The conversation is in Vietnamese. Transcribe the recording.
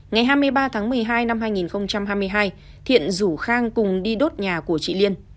ngày hai mươi ba tháng một mươi hai năm hai nghìn hai mươi hai thiện rủ khang cùng đi đốt nhà của chị liên